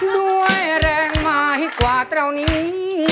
ด้วยแรงมากกว่าเท่านี้